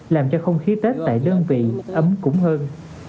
làm cho không khí tết tại đơn vị ấm cũng hơn